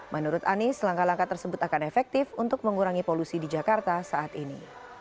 menurut anies langkah langkah tersebut akan efektif untuk mengurangi polusi di jakarta saat ini